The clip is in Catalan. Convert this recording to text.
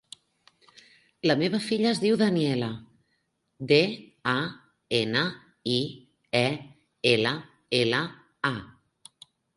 La meva filla es diu Daniella: de, a, ena, i, e, ela, ela, a.